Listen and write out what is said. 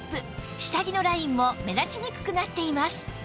下着のラインも目立ちにくくなっています